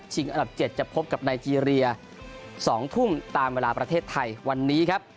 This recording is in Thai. อันดับ๗จะพบกับไนเจรีย๒ทุ่มตามเวลาประเทศไทยวันนี้ครับ